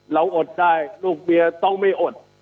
เราอดได้ลูกเบียร์ต้องไม่อด